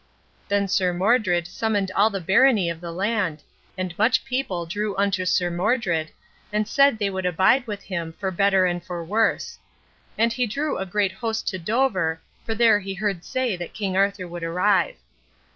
Then Sir Modred summoned all the barony of the land; and much people drew unto Sir Modred, and said they would abide with him for better and for worse; and he drew a great host to Dover, for there he heard say that King Arthur would arrive.